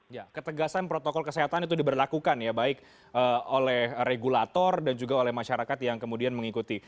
ya ketegasan protokol kesehatan itu diberlakukan ya baik oleh regulator dan juga oleh masyarakat yang kemudian mengikuti